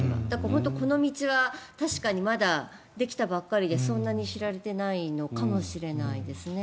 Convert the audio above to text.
本当にこの道は、確かにまだできたばかりでそんなに知られていないのかもしれないですね。